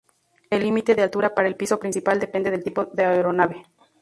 El límite de altura para el piso principal depende del tipo de aeronave.